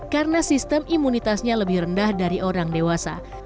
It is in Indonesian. karena sistem imunitasnya lebih rendah dari orang dewasa